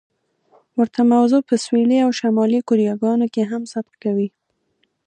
ورته موضوع په سویلي او شمالي کوریاګانو کې هم صدق کوي.